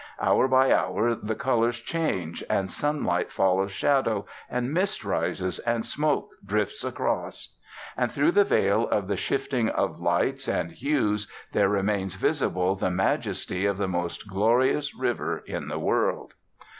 Hour by hour the colours change, and sunlight follows shadow, and mist rises, and smoke drifts across. And through the veil of the shifting of lights and hues there remains visible the majesty of the most glorious river in the world.